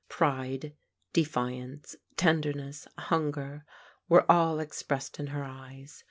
Pride, defiance, tenderness, hunger, were all expressed in her eyes.